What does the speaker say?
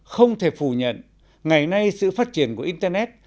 không thể phủ nhận ngày nay sự phát triển của internet